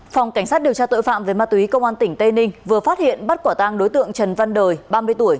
phòng cảnh sát điều tra tội phạm về ma túy công an tỉnh tây ninh vừa phát hiện bắt quả tang đối tượng trần văn đời ba mươi tuổi